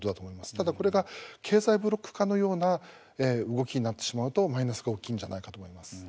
ただ、これが経済ブロック化のような動きになってしまうとマイナスが大きいんじゃないかと思います。